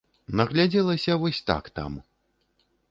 Нагледзелася вось так там.